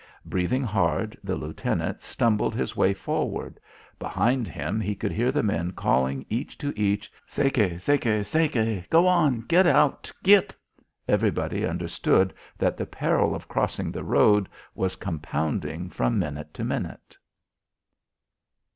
Breathing hard, the lieutenant stumbled his way forward. Behind him he could hear the men calling each to each: "Segue! Segue! Segue! Go on! Get out! Git!" Everybody understood that the peril of crossing the road was compounding from minute to minute.